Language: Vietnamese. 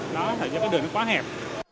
đó thật ra cái đường nó quá hẹp